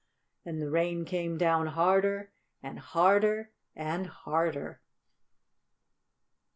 And the rain came down harder and harder and harder.